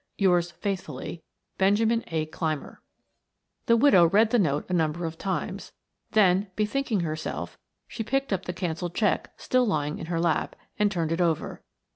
Yours faithfully, BENJAMIN A. CLYMER. The widow read the note a number of times, then bethinking herself, she picked up the canceled check still lying in her lap, and turned it over.